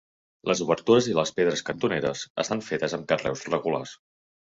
Les obertures i les pedres cantoneres estan fetes amb carreus regulars.